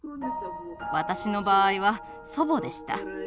私の場合は祖母でした。